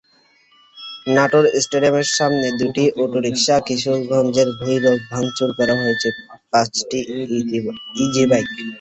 নাটোর স্টেডিয়ামের সামনে দুটি অটোরিকশা, কিশোরগঞ্জের ভৈরবে ভাঙচুর করা হয়েছে পাঁচটি ইজিবাইক।